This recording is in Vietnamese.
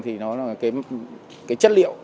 thì nó là cái chất liệu